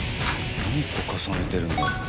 何個重ねてるんだろう。